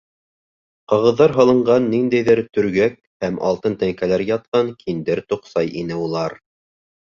Ҡағыҙҙар һалынған ниндәйҙер төргәк һәм алтын тәңкәләр ятҡан киндер тоҡсай ине улар.